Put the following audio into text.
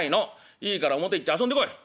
いいから表行って遊んでこい！」。